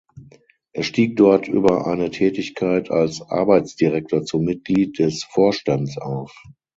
Er stieg dort über eine Tätigkeit als Arbeitsdirektor zum Mitglied des Vorstands auf.